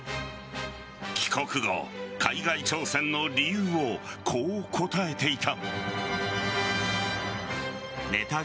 帰国後、海外挑戦の理由をこう答えていた。